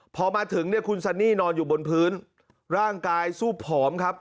พอมาถึงเนี่ยคุณซันนี่นอนอยู่บนพื้นร่างกายสู้ผอมครับ